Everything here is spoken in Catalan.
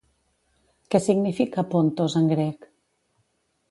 Què significa Pontos en grec?